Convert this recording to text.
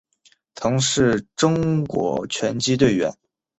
曾是中国拳击队员。